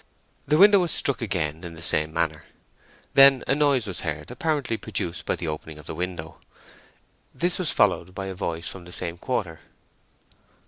The window was struck again in the same manner. Then a noise was heard, apparently produced by the opening of the window. This was followed by a voice from the same quarter.